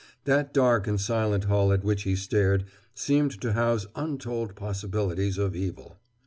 That dark and silent hull at which he stared seemed to house untold possibilities of evil.